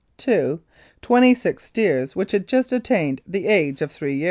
(2) 26 steers which had just attained the age of three years.